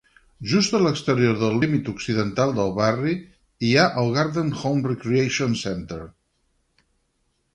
Just a l'exterior del límit occidental del barri hi ha el Garden Home Recreation Center.